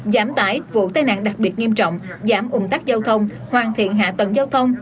giảm tải vụ tai nạn đặc biệt nghiêm trọng giảm ủng tắc giao thông hoàn thiện hạ tầng giao thông